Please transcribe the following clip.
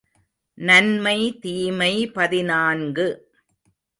நன்மை தீமை பதினான்கு .